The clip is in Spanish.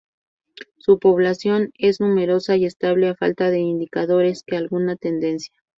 Su población es numerosa y estable a falta de indicadores que alguna tendencia.